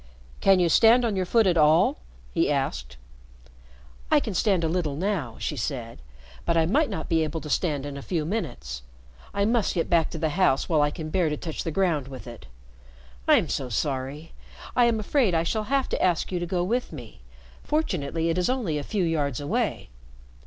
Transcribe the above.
"Can you stand on your foot at all?" he asked. "I can stand a little now," she said, "but I might not be able to stand in a few minutes. I must get back to the house while I can bear to touch the ground with it. I am so sorry. I am afraid I shall have to ask you to go with me. Fortunately it is only a few yards away."